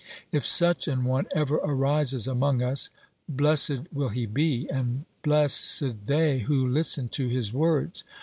If such an one ever arises among us, blessed will he be, and blessed they who listen to his words.